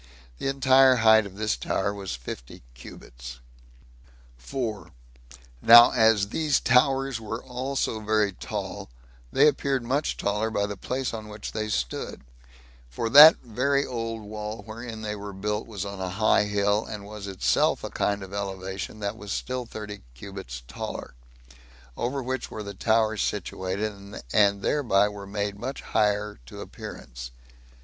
The entire height of this tower was fifty cubits. 4. Now as these towers were so very tall, they appeared much taller by the place on which they stood; for that very old wall wherein they were was built on a high hill, and was itself a kind of elevation that was still thirty cubits taller; over which were the towers situated, and thereby were made much higher to appearance.